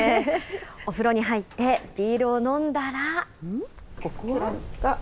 お風呂に入ってビールを飲んだら。